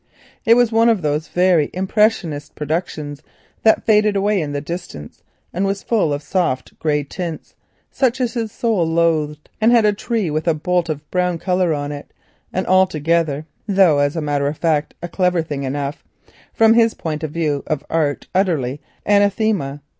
It was one of those very impressionist productions that faded away in the distance, and full of soft grey tints, such as his soul loathed. There was a tree with a blot of brown colour on it, and altogether (though as a matter of fact a clever thing enough) from his point of view of art it was utterly "anathema."